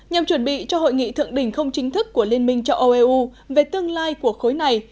nhằm chuẩn bị cho hội nghị thượng đỉnh không chính thức của liên minh châu âu eu về tương lai của khối này